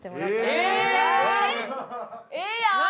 ええやん！